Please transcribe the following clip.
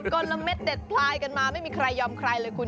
ละเม็ดเด็ดพลายกันมาไม่มีใครยอมใครเลยคุณ